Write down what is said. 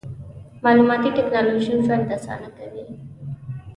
مالوماتي ټکنالوژي ژوند اسانه کوي.